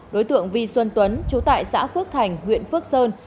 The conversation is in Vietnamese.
đối tượng vi xuân tuấn chú tại xã phước thành huyện phước sơn